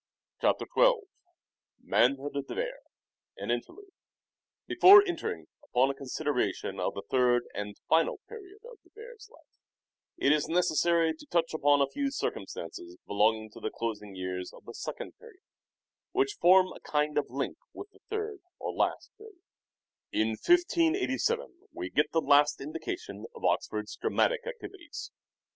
CHAPTER XII MANHOOD OF DE VERE (AN INTERLUDE) BEFORE entering upon a consideration of the third and final period of De Vere's life it is necessary to touch upon a few circumstances belonging to the closing years of the second period, which form a kind of link with the third or last period. Queen In 1587 we get the last indications of Oxford's execution dramatic activities.